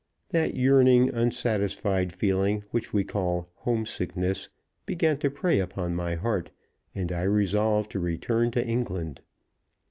That yearning, unsatisfied feeling which we call "homesickness" began to prey upon my heart, and I resolved to return to England.